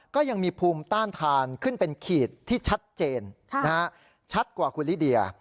ก็ยังมีภูมิต้านทานขึ้นเป็นขีดที่ชัดเจนชัดกว่าคุณลิเดีย